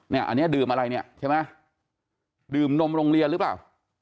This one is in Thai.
เนี่ยอันนี้ดื่มอะไรเนี่ยใช่ไหมดื่มนมโรงเรียนหรือเปล่า